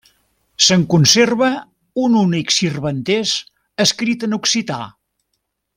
Se'n conserva un únic sirventès, escrit en occità.